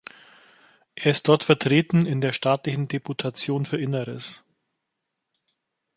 Er ist dort vertreten in der staatlichen Deputation für Inneres.